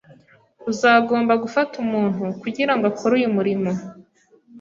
Uzagomba gufata umuntu kugirango akore uyu murimo.